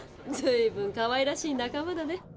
ずいぶんかわいらしい仲間だね。